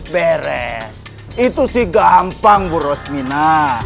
beres itu sih gampang bu rosmina